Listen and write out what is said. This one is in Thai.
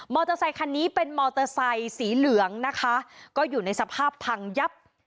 เตอร์ไซคันนี้เป็นมอเตอร์ไซค์สีเหลืองนะคะก็อยู่ในสภาพพังยับ